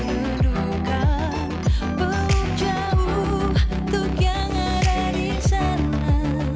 itu dia tadi lagunya udah jadi